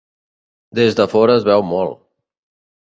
Des de fora es veu molt.